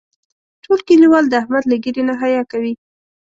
ټول کلیوال د احمد له ږیرې نه حیا کوي.